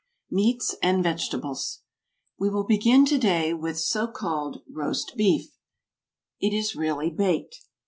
MEATS AND VEGETABLES. We will begin to day with so called roast beef, it is really baked.